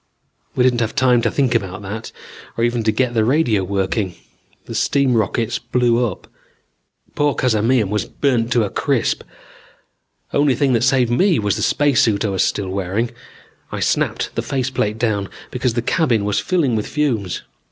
"We didn't have time to think about that, or even to get the radio working. The steam rockets blew up. Poor Cazamian was burnt to a crisp. Only thing that saved me was the spacesuit I was still wearing. I snapped the face plate down because the cabin was filling with fumes.